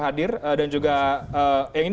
hadir dan juga yang ini